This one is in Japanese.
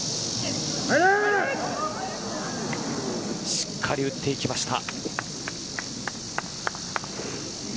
しっかり打っていきました。